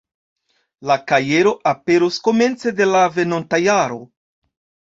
La kajero aperos komence de la venonta jaro.